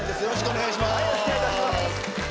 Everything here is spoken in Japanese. よろしくお願いします。